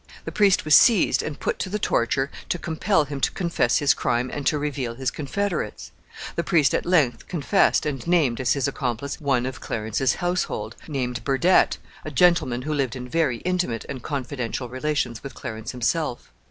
The priest was seized and put to the torture to compel him to confess his crime and to reveal his confederates. The priest at length confessed, and named as his accomplice one of Clarence's household named Burdett, a gentleman who lived in very intimate and confidential relations with Clarence himself.